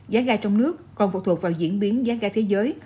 giá ga trong nước còn phụ thuộc vào diễn biến giá ga thế giới